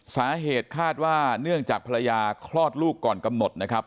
สาเหตุคาดว่าเนื่องจากภรรยาคลอดลูกก่อนกำหนดนะครับ